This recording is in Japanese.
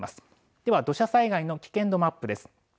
では土砂災害の危険度マップです。